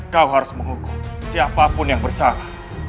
kau harus menghukum siapapun yang bersalah